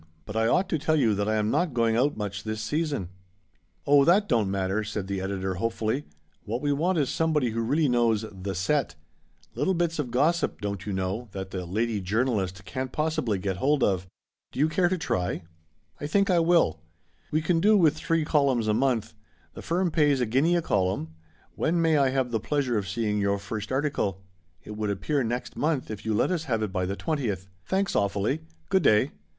" But I ought to tell you that I am not going out much this season. " Oh ! that don't matter," said the editor hopefully. "What we want is somebody who really knows the set. Little bits of gossip, don't you know, that the l lady jour nalist' can't possibly get hold of. And you'll have all the society weeklies to help you. Do you care to try ?"" I think I will." " We can do with three columns a month. The firm pays a guinea a column. When may I have the pleasure of seeing your first article ? It would appear next month if you let us have it by the 20th. Thanks, awfully. Good day."